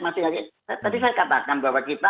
masih tadi saya katakan bahwa kita